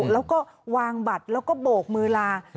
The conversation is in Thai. แล้วก็วางบัตรแล้วก็โบกมือลา